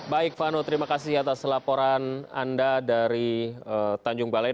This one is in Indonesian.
baik vano terima kasih atas laporan anda dari tanjung balai